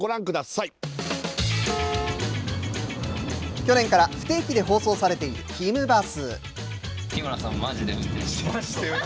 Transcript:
去年から不定期で放送されているひむバス！